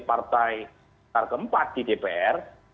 partai keempat di dpr